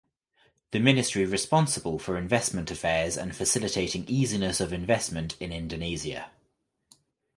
The ministry responsible for investment affairs and facilitating easiness of investment in Indonesia.